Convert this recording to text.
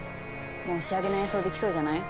もう仕上げの演奏できそうじゃない？